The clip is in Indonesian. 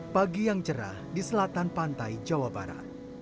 pagi yang cerah di selatan pantai jawa barat